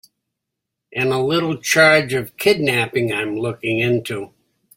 And a little charge of kidnapping I'm looking into.